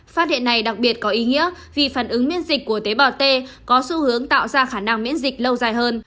phát hiện này đặc biệt có ý nghĩa vì phản ứng miễn dịch của tế bào t có xu hướng tạo ra khả năng miễn dịch lâu dài hơn